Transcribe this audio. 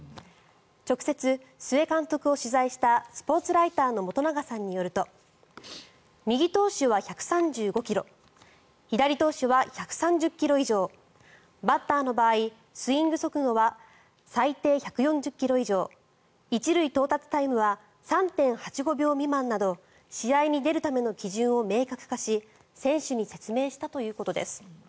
直接、須江監督を取材したスポーツライターの元永さんによると右投手は１３５ｋｍ左投手は１３０ｋｍ以上バッターの場合、スイング速度は最低１４０ｋｍ以上１塁到達タイムは３．８５秒未満など試合に出るための基準を明確化し選手に説明したということです。